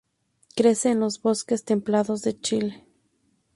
Crece en los bosques templados de Chile.